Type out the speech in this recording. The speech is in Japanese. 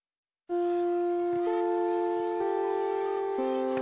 うん。